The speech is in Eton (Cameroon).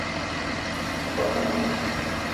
A te kwuan a-nnó